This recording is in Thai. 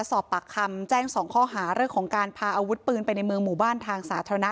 สอบปากคำแจ้ง๒ข้อหาเรื่องของการพาอาวุธปืนไปในเมืองหมู่บ้านทางสาธารณะ